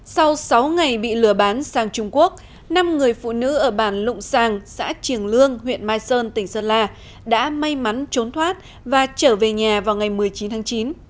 sau sáu ngày bị lừa bán sang trung quốc năm người phụ nữ ở bản lụng sàng xã triềng lương huyện mai sơn tỉnh sơn la đã may mắn trốn thoát và trở về nhà vào ngày một mươi chín tháng chín